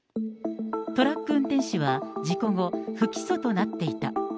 トラック運転手は事故後、不起訴となっていた。